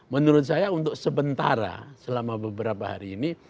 menurut saya untuk sementara selama beberapa hari ini